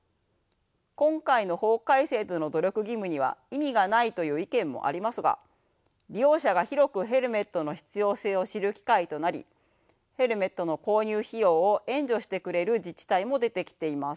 今回の法改正での努力義務には意味がないという意見もありますが利用者が広くヘルメットの必要性を知る機会となりヘルメットの購入費用を援助してくれる自治体も出てきています。